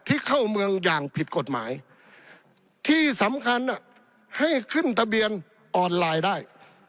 เข้าเมืองอย่างผิดกฎหมายที่สำคัญให้ขึ้นทะเบียนออนไลน์ได้